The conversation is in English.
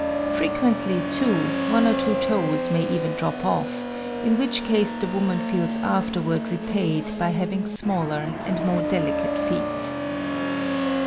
Frequently, too, one or two toes may even drop off, in which case the woman feels afterward repaid by having smaller and more delicate feet.